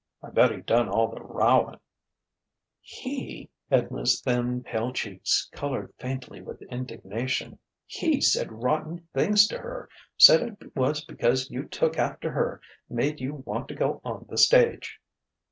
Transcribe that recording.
"I bet he done all the rowing!" "He" Edna's thin, pale cheeks coloured faintly with indignation "he said rotten things to her said it was because you took after her made you want to go on the stage."